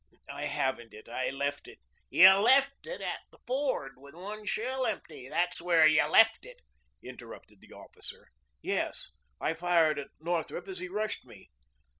"I haven't it. I left it " "You left it at the ford with one shell empty. That's where you left it," interrupted the officer. "Yes. I fired at Northrup as he rushed me."